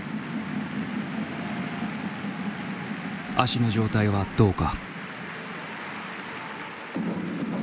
足の状態はどうか。